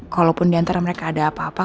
kalaupun diantara mereka ada apa apa